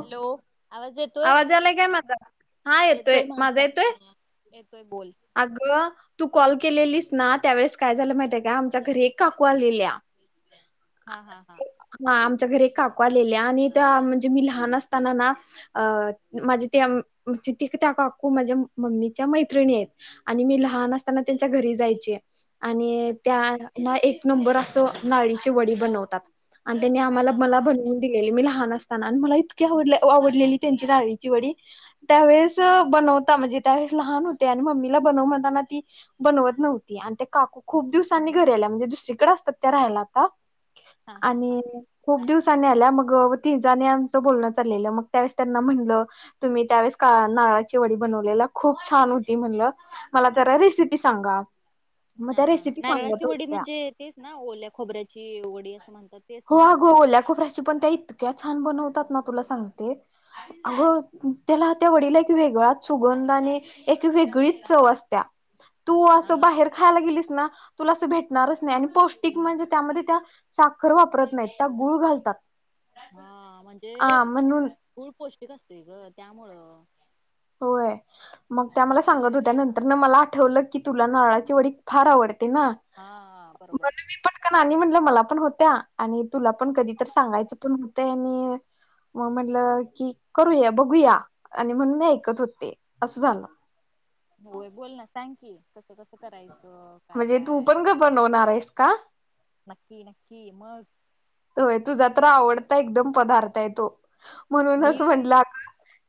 Hello आवाज येत आवाज आलाय काय माझा हा येतोय माझा येतोय हा येतोय बोल [inaudible] अगं तू को कॉल केलेली ना त्यावेेळेस काय झालं माहितीय का आमच्या घरी एक काकू आलेल्या [inaudible] हा हा हा हा आमच्या घरी काकू आलेल्या आणि त्या म्हणजे मी लहान असताना ना अ माझे त्या त्या काकू माझ्या मम्मीच्या मैत्रिणी आहेत आणि मी ल लहान असताना त्यांच्या घरी जायचीय आणि अच्छा त्याना एक नंबर असं नाळीची वडी बनवतात आणि त्यांनी आम्हाला हा हा मला हा बनवून दिलेली मी लहान असताना आणि मला इतकी आवड आवडलेली त्यांची नारळीची वडी त्यावेळेस बनवता म्हणजे त्यावेळेस लहान होते आणि मम्मीला बनव म्हताना बनवत नव्हती आणि ते काकू खूप दिवसांनी घरी आला म्हणजे दुसरीकडे असतात त्या राहायला आता हा हा हा. आणि खूप दिवसानी आल्या मग ति जणी आमचं बोलण चाललेलं मग त्यावेळे त्यांना म्हणल तुम्ही त्यावेळची नारळाची वडी बनवलेल खूप छान होती म्हणल म जरा रेसिपी सांगा मग हा त्या हा ह रेसिपी नारळाची सांगत वडी होत्या म्हणजे तेच ना ओल्या खोबऱ्याची वडी असं म्हणतात तेच ना अगो हो ओल्या खोबऱ्याची पण त्या इतक्या छान बनवतात ना तुला सांगते अग त्याला त्या वडिला एक वेगळाच सुगंध आणि एक वेगळीच चव असते तू हा असं हा बाहेर मला खायला गेलीस ना तुला अस भेट नारच नाही आणि पौष्टिक म्हणजे त्यामध्ये त्या साखर वापरत नाहीत त्या गुळ घालतात हा म्हणजे हा म्हणु गुळ पौष्टिक असतोय ग त्यामुळं होय मग त्या मला सांगत होत नंतर मला आठवलं की तुला नारळाचे वडी फार आवडते ना हा बरोबर. म्हण म पटकन म्हणलं मला पण होत्या आणि तुला पण कधी तर सांगायचं पण होतंय आणि मग म्हटलं की करूया बघूया आणि म्हणन मी ऐकत होते असं झालं होय बोल ना सांग की कसं कस करायचं काय म्हणजे तू काय पण ग बनवणार आहेस का नक्की नक्की मग होय तुझा तर आवडता एकदम पदार्थ आहे तो मी म्हणूनच म्हटला अग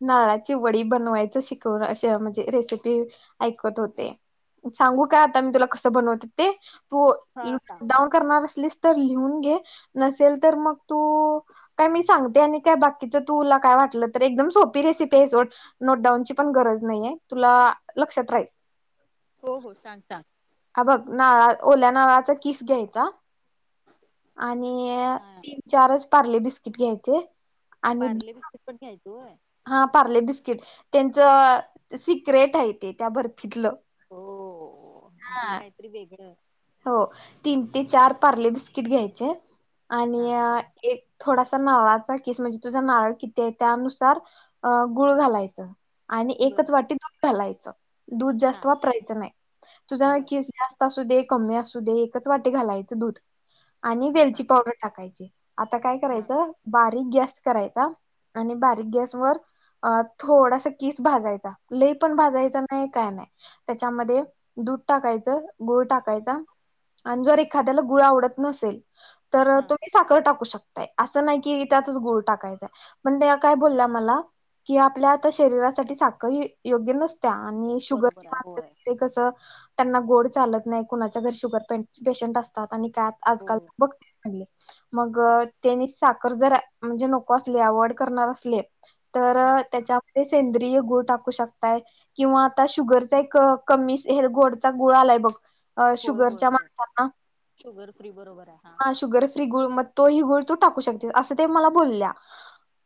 नाळाची वडी बनवायचं शिकवून अशी म्हणजे रेसिपी ऐकत होते सांगू काय आता मी तुला कस बनवते ते तु हा सांग नोटडाऊन करणार लिहून घे नसेल तर मग तू काय मी सांगते आणि काय बाकीच तुला काय वाटलं तर एकदम सोपी नोटडांउनची पण गरज नाही तुला लक्षात राहील हो हो सांग सांग हा बघ नाळा ओल्या नाळाचा किस घ्यायचा आणि हा तीन चारच पार्ले बिस्किट घ्यायचे आणि पार्ले बिस्कट पण घ्यायचे होय हा पार्ले बिस्किट त्यांचं सिक्रेट आहे ते त्या बर्फातून हो म्हणजे हे काहीतरी वेगळं हो तीन ते चार पार्ले बिस्किट घ्यायचे आणि हा एक थोडासा नारळाचा किस म्हणजे तुझा नारळ किती आहे त्यानुसार अ गुळ घालायच आणि बर एकच वाटी दूध घालायचं दूध जास्त हा वापरायचं नाही तुझ बर नीस जास्त असू दे कमी असू दे एकच वाटे घालायचं दूध आणि हा वेलची हा हा पावडर टाकायची आता काय हा करायच बारीक गॅस करायचा आणि बारीक गॅस वर थोडासा किस भाजायचा लेई पण हा भाजायचं नाही काय नाही त्याच्यामध्ये दूध टाकायचं गुळ टाकायचं जर एखाद्याला गुळ आवडत नसेल तर हा तुम्ही साखर टाकू शकता असं नाही की त्यातच गुळ टाकायचां पण त्या काय बोलल्या मला कि आपल्या आता शरीरासाठी साखर योग्य नसते आणि शुगर बरोबर आहे होय कस त्यांना गोड चालत नाही कुणाच्या घरी शुगर पेशंट असतात आणि काय हो आजकाल बघ मग त्यांनी साखर जर म्हणजे नको असले अवाइड करणार असले तर हा त्याच्या सेंद्रिय गुळ टाकू शकताय किंवा आता शुगरचा एक कमी गोड गुला होय शुर होय होय माण शुगर फ्री बरोबर आहे हा शुर फ्री गुळ तोहि गोळ तू टाकू शकतेस असं ते मला बोलल्या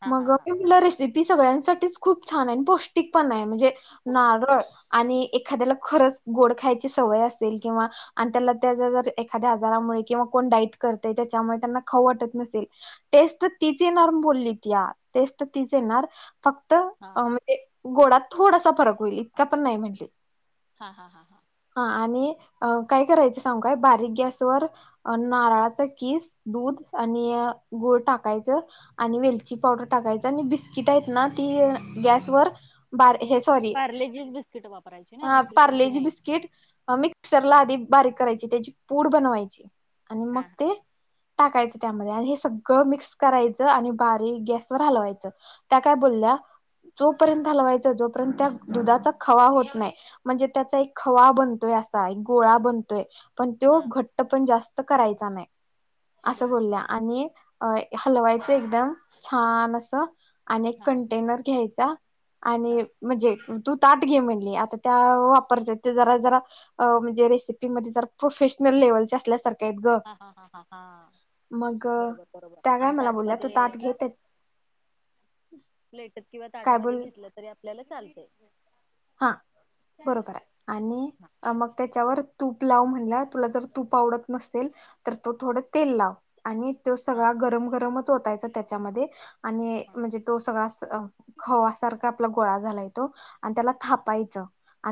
हा हा मग त हा रेसिपी सगळ्यां मुळा साठी खूप छान आहे आणि पौष्टिक पण आहे म्हणजे होय अगं नारळ आणि एक एखाद्याला खरंच गोड खायची सवय असते तेल किंवा आणि त्याला एखा्या आारामुळे कंण डाईट कर त्याच्यामुळे त्यांना खाऊ वाट नसेल नसलं टेस्ट ति येणार बोलली त या टेस्ट ति येणार फक्त हा म्हणजे गोडात थोडासा फरक होईल इतका पण नाही म्हटले हा हा हा हा काय करायच सांगय बारीक गॅस व नारळाच कीस दूध आणि अ गुळ टाक्याचा आणि वालची पावडर टाक्याचा आणि बिस्कीट आहे ना ती गॅस वर वर [inaudible] बार हे सॉरी पार्ले जीच बिस्किट वापरायची ना हा दुसरी कोणती पार्लेजी नाही बिस्किट मिक्सरला आधी बारीक करायची त्याची पूड बनवायची आणि मग हा हा ते टाकायचं त्यामध्ये आणि हे सगळं मिक्स करायचं आणि बारी गॅसवरर हलवायचं त्या काय बोलल्या जोपर्यंत हलवायच जोपर्यंत त्या दुधाचा खवा होत नाही म्हणजे त्याचा एक खवा बनतोय गोळा बनतोय पण तो हा घट्ट पण जास्त करायचा नाही [inaudible] असं बर बोलल्या आणि हलवायचं एकदम छान असं आणि एक हा कंटेनर घ्यायचा [inaudible] हा आणि म्हणजे तू ताट घे म्हणली आता त्या वापरत जरा जरा म्हणजे रेसिपीमध्ये जर प्रोफेशनल लेव्हलचे असल्यासारख हा हा हा हा हा मग बरोबर बरोबर त्या काय आम मला बोलल्या तू ताटमध्ये ताट घेत [inaudible] [inaudible] प्लेटत किंवा ताटामध्ये बोल घेतलं तरी आपल्याला चालते [inaudible] हा बरोबर आहे आणि हा मग त्याच्यावर तूप लाव म्हणलं तुला जर तूप आवडत नसेल तर तो थोडं तेल लाव आणि तो हा सगळा गरम गरमच होतायचा त्याच्यामध्ये आणि हा म्हणजे तो सगळा अ खवा सरकार आपल गोळा झाला ते त्याला थापायचं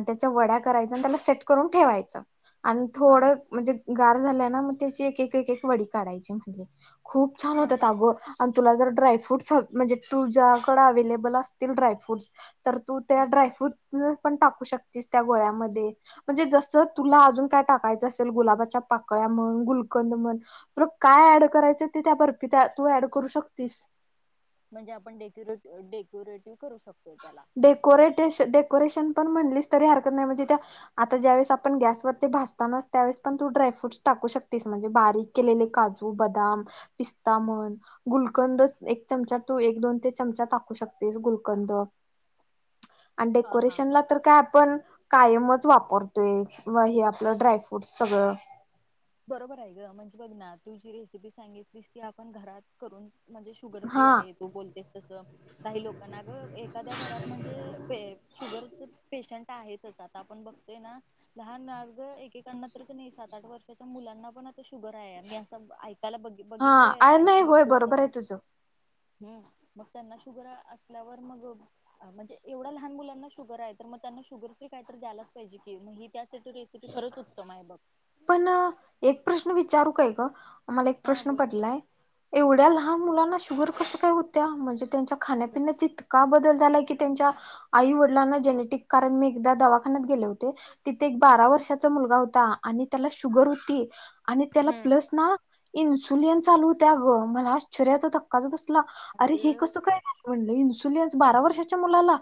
त्याच्या वड्या हा करायच्या त्याला सेट करून ठेवायचं आणि हा थोडं म्हणजे गार झाल्या ना मग त्याची एक एक एक वडी काढायची म्हणली खूप छान हा होत हा आगो आणि तुला जर ड्रायफ्रूट्स म्हणजे तुझ्याकडडे अवे्हेलेबल असतील ड्रायफ्रूट्स तर तू त्या हा ड्रायफ्रूट त पण टाकू शकतीस त्या गोळ्यामध्ये म्हणजे जसं तुला अजून काय टाकायचं असेल गुलाबाच्या पाकळ्या म्हण गुलकंद म्हण तुला काय ऍड करायचं आहे ते तु त्या बर्फी ऍड करू शकती [inaudible] म्हणजे आपण डेकुे डेक्युरेटिव्ह करू शकतो डेकोरेटेशन डेकोरेशन पण म्हणलीस तरी हरकत नाही म्हणजे त्या आत्ता जय वळीस आपण गॅस वरती भाजताना त्या वळीस पण तू ड्राय फ्रुट ताक एकू शकतेस म्हणजे बारीक केलेले काजु बदाम पिस्ता म्हण गुलकंद एक चमचा तू एक दोन ते चमचा टाकू शकतेस गुलकंद आणि हा हा हा डेकोरेशनला तर काय आपण कायमच वापरतोय हे आपलं ड्रायफ्रूट सगळं बरोबर आहे ग म्हणजे बघ ना तू जी रेसिपी सांगितलीस ती आपण घरात करून म्हणजे शुगर फ्री हा आहे तू बोलतेस तसं काही लोकांना ग एखाद्या घरात म्हणजे शुगर पेशंट च आता आपण बघतोय ना लहान मग एकेकांना तर नाही सात आठ वर्ष मुलांना पण आता शुगर आहे म असं बघ हा बघितलोय आहे नाही होय बरोबर आहे तुझं हम् मग त्यांना शुगर असल्यावर मग म्हणजे एवढा लहान मुलांना शुगर आहे तर मग ग त्यांना शुगर फ्री कायत द्यालाच पाहिजे की मग ही त्यासाठी रेसिपी खरंच उत्तम आहे बघ पण एक प्रश्न विचारू काय ग आमला एक हा प्रश्न बोल की पडलाय एवढ्या हा लहान बोल मुलांना शुगर कस काय होत्या म्हणजे त्यांच्या खाण्यापिण्याची इितका बदल ज हो तथ बारा वर्षाचा मुलगा होता आणि त्याला शुगर होती आणि त्याला हम्म प्लस ना इन्सुलिन चालू त्या ग मला शऱ्याचा धक्काच बसत अरे हे अगं कस काय झा म्हण इन्सुलिन्स बारा वर्षाच्या मुलाला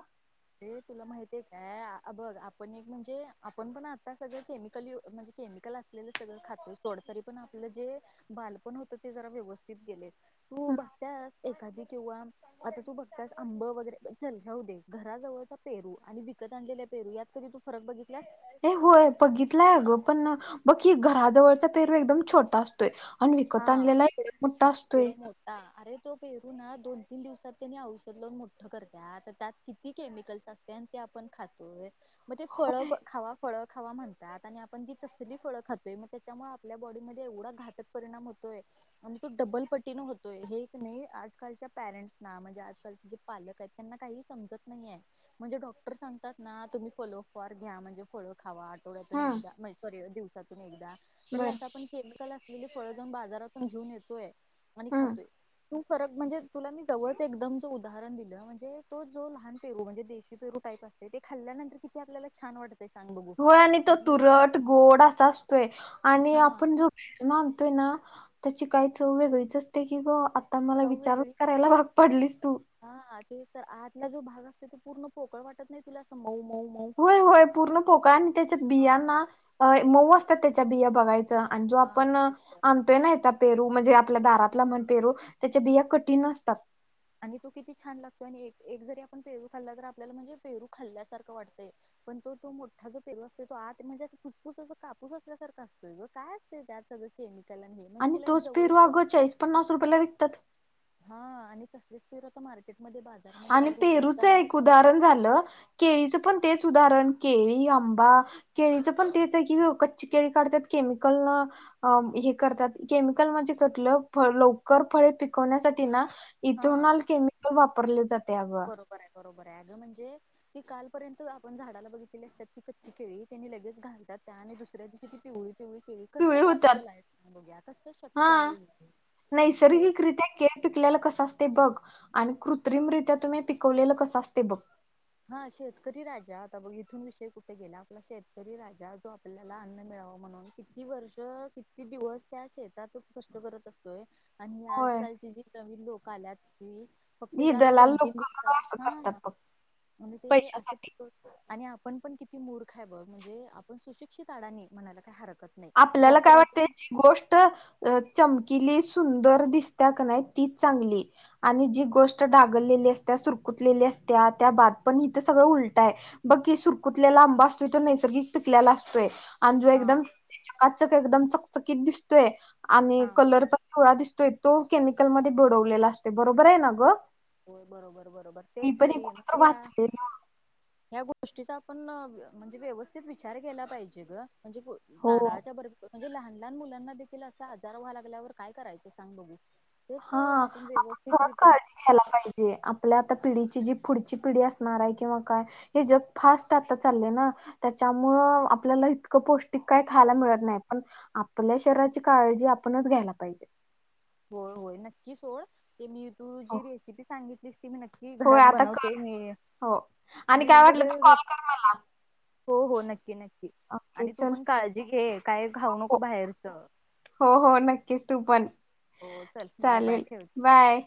ते तुला माहतीये काय बघ आपण एक म्हणजे आपण पण आता सगळं केमिकल य म्हणजे केमिकल असलेलं सगळं खात सोडत तरी पण आपलं जे बालपण होत ते जरा व्यवस्थित गेले तू बघतास एखादी किंवा आता तू बघतास आंब वगैरे चल जाऊ दे घराजवळचा पेरू आणि विकत आणलेल्या पेरू यात कधी तू फरक बघितलास हे होय बघितलंय अगं पण बघी घराजवळचा पेरवा एकदम छोटा असतोय आणिन् विकत हा आणलेला इकड मोठा पेरू असतोय मोठा अरे तो पेरू ना दोन तीन दिवसात त्यांनी औषध लावून मोठं करत त्यात किती केमिकल्स असते खोय मग ते फ खा फ खावा म्हणतात आणि आपण जी तसली फळं खातोय मग त्याच्यामुळे आपल्या बॉडीमध्ये एवढा घाट तोल पटीतोय आजच्या परज पालक त्यां समत नाहीे म्हणजे डॉक्टर सांगतात ना तुम्ही फॉलोप घ्या म्ह हम्म बर. व लेली फळ जाऊन बाजारातून घेऊन येतोय आणि हम्म खातोय तू फरक म्हणजे तुला मी जवळच एकदम जो उदाहरण दिलं म्हणजे तो जो लहान पेरू म्हणजे देशी पेरू पा ते खाल्ल्यानंतर किती आपल्याला छान वाटत होय आणि तो तुरट गोड असा असतोय आणि हा आपण जो भेणार ना त्याची काही चव वेगळीच असते की ग आता मला चव विचारच वेगळी म्हणजे करायला भाग पडलीस तू हा तर आजला जो भाग असो तो पूर्ण पोकळ वाटत नाही तुला समज होय होय पूर्ण पोका आणि त्याच्यात हा बियांना मऊ असतात त्याच्या बिया बघायचं आणि जो हा आपण तेच तर आणतोय ना याचा पेरू म्हणजे आपल्या दारातला म्हण पेरो त्याच्या बिया कठीण असतात आणि तो किती छान लागतो आणि एक एक जरी आपण पेरू खाल्ला तर आपल्याला म्हणजे पेरू खाल्ल्यासारखं वाटतंय पण तो तो मोठा जो पेल असतो आ म्हणजे फुटफूस अस कापूस असल्यासारखा असतो काय असते त्यात बसे आणि तोच पेरवा अगोर चाळीस पन्नास रुपयाेला विकतात हा आणि तसलीच फिर होत मार्केट आणि पेरूच एक उदाहरण झालं केळीचं पण तेच उदाहरण केळी आंबा केळीचं पण तेच आहे की कच्ची केळी काढतात केमिकल न करतात केमिकल म्हण कटलं लवकर फळे पिकवण्यासाठी ना इथून हा आल केमिकल वापरले जाते अगं बरोबर आहे बरोबर आहे अग म्हणजे की कालपर्यंत आपण झाडाला बघितली असतात की कच्ची केळी त्यांनी लगेच घालतात त्या आणि दुसऱ्या दिशीती पवळी तेव कस पिवळी होतात पॉसिबल आहे बघ्या कस हा शक्य आहे अरे नैसर्गिकरित्या केळ पिकल्याला कस असते बघ आणि कृत्रिमरित्या तुम्ही पिकवलेलं कसं असते बघ हा शेतकरी राजा आता बघ इथून विषय कुठे गेला आपला शेतकरी राजा जो आपल्याला अन्न मिळाला म्हणून किती वर्ष किती दिवस त्या शेतात कष्ट करत असतोय आणि होय आजकालची जी नवीन लोक आल्यात ती फक्त ही त्याला दलाल दोन तीन लोक दिवसात असं हा करतात बघ म्हणे ते पैशासाठी असं आणि आपण पण िा म्हणजे आपण सुिक्ितडा म्ह हत आपल्याला काय वाटत जी गोष्ट च सुंदर दिसत नाही ती चांगली आणि जी गोष्ट ागलेली अस सुर लेली असत्या त्या बाद पण ह सगळं उलटय बघी सुरकुतलेला आंबा असतो तर नैसर्गिक ल्याला असतोय अन जो हा एकदम पाचक एकदम चकचकीित दिसतोय आणि हा कलर तर काळा दिसतोय तो केमिकलमध्येध्ये भिडवलेला असते बरोबर आहे ना ग हो बरोबर बरोबर मी तेच पण हे तरी कुठं तर म्हणजे ह वाचलेलं गष्ट गोष्टीचा आपण म्हणजे व्यवस्थित विचार केला पाहिजे ग म्हणजे हो नारळाच्या बरोबर म्हणजे लहान लहान मुलांना देखील असा आजार व्हा लागल्यावर काय करायचं सांग बघू तेच अ, हा आपण खरच व्यवस्थितरित्या काळजी घ्यायला पाहिजे जे आपल्या आता पिढीची जी पुढची पिढी असणार आहे किंवा काय हे जग फास्ट आता चालले ना त्यामुळे आपल्याला इतकं पौष्टिक का खायला मिळत नाही पण आपल्या शरीची का आपणच घ्यायला पाहिजे हो होय नक्कीच होळ ते मी तू हो जी रेसिपी सांगितलीस ती मी नक्की होय घरात आता बनवते कर मी हो आणि काय लिहून वाटलं तर वगैरे कॉल कर मला हो हो नक्की नक्की ओके आणि तू चल पण काळजी घे काय खाऊ हो नको बाहेरच हो हो नक्कीच तू पण हो चल बाय बाय चालेल ठेवते बाय